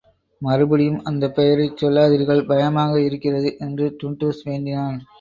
மறுபடியும் அந்தப் பெயரைச் சொல்லாதீர்கள், பயமாக இருக்கிறது! என்று டுன்டுஷ் வேண்டினான்.